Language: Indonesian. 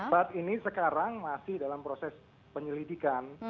saat ini sekarang masih dalam proses penyelidikan